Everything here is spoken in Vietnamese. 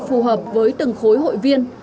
phù hợp với từng khối hội viên